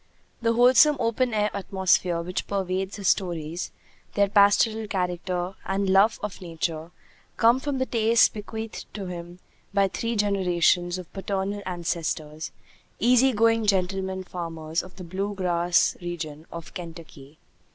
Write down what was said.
The wholesome open air atmosphere which pervades his stories, their pastoral character and love of nature, come from the tastes bequeathed to him by three generations of paternal ancestors, easy going gentlemen farmers of the blue grass region of Kentucky.